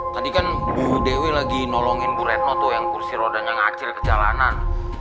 tadi kan bu dewi lagi nolongin bu retno tuh yang kursi rodanya ngacil ke jalanan